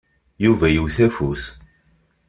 Yuba yewwet afus.